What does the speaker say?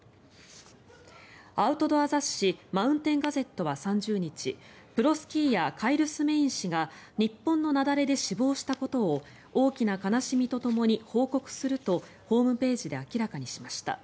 アウトドア雑誌「マウンテン・ガゼット」は３０日プロスキーヤーカイル・スメイン氏が日本の雪崩で死亡したことを大きな悲しみとともに報告するとホームページで明らかにしました。